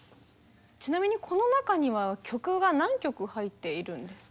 ちなみにこの中には曲が何曲入っているんですか？